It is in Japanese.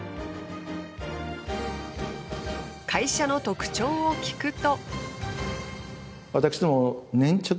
会社の特徴を聞くと。